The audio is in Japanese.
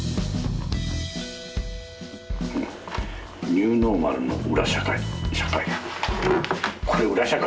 ニューノーマルの「裏社会」。